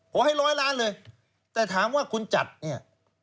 ขอให้ร้อยล้านเลยแต่ถามว่าคุณจัดเนี่ย